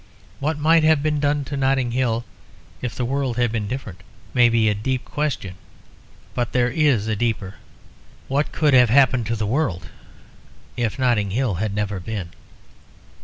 What might have been done to Notting Hill if the world had been different may be a deep question; but there is a deeper. What could have happened to the world if Notting Hill had never been?"